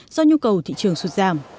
do nhu cầu thị trường sụt giảm